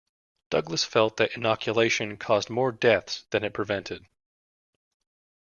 Douglass felt that inoculation caused more deaths than it prevented.